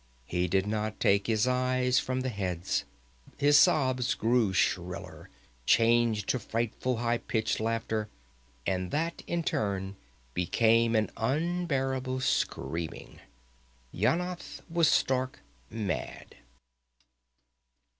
He did not take his eyes from the heads. His sobs grew shriller, changed to frightful, high pitched laughter, and that in turn became an unbearable screaming. Yanath was stark mad.